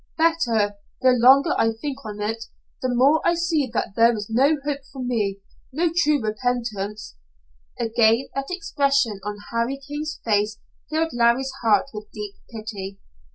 "Better. The longer I think on it, the more I see that there is no hope for me, no true repentance, " Again that expression on Harry King's face filled Larry's heart with deep pity.